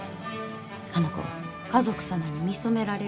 あの子は華族様に見初められる。